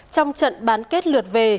trong trận bán kết lượt về